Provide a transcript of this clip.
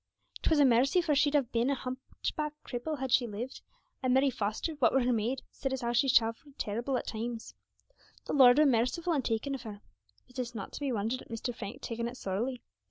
'Twere a mercy, for she'd have been a hunchbacked cripple had she lived; and Mary Foster, what were her maid, said as 'ow she suffered terrible at times. The Lord were marciful in takin' of her. But 'tis not to be wondered at Mr. Frank takin' it sorely.